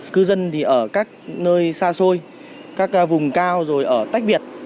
cư dân thì ở các nơi xa xôi các vùng cao rồi ở tách biệt